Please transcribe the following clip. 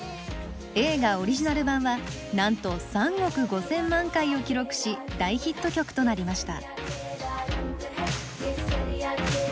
映画オリジナル版はなんと３億５千万回を記録し大ヒット曲となりました。